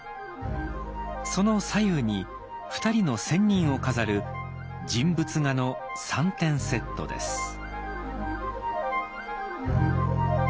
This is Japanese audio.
その左右に２人の仙人を飾る人物画の３点セットです。